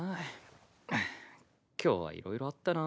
今日はいろいろあったな。